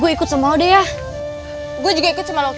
gue ikut sama udah ya gue juga ikut sama oke yuk